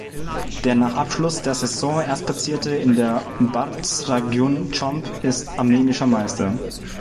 Der nach Abschluss der Saison Erstplatzierte in der "Bardsragujn chumb" ist armenischer Meister.